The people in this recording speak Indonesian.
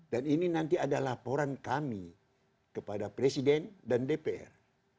dan ini nanti ada laporan kami kepada presiden dan dpr